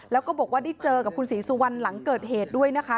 แล้วก็บอกว่าได้เจอกับคุณศรีสุวรรณหลังเกิดเหตุด้วยนะคะ